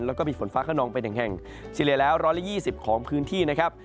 แล้วก็มีฝนฟ้าขนองไป๑แห่งเฉลี่ยแล้ว๑๒๐ของพื้นที่นะครับ